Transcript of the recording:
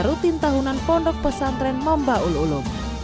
rutin tahunan pondok pesantren mambaul ulum